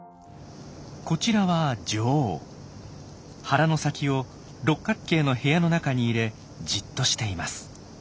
腹の先を六角形の部屋の中に入れじっとしています。